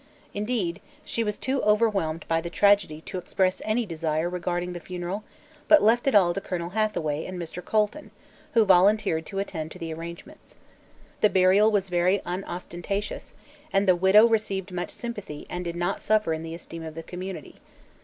Indeed, she was too overwhelmed by the tragedy to express any desire regarding the funeral but left it all to Colonel Hathaway and Mr. Colton, who volunteered to attend to the arrangements. The burial was very unostentatious and the widow received much sympathy and did not suffer in the esteem of the community.